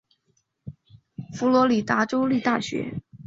佛罗里达州立大学。